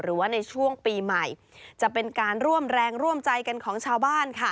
หรือว่าในช่วงปีใหม่จะเป็นการร่วมแรงร่วมใจกันของชาวบ้านค่ะ